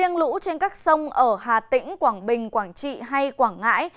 nhưng các sông ở hà tĩnh quảng bình quảng trị hay quảng ngãi